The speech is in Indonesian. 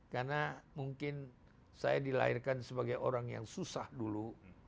karena mungkin saya dilahirkan sebagai orang yang susah dulu